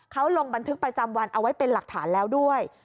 เขาลงบันทึกประจำวันเอาไว้เป็นหลักฐานแล้วด้วย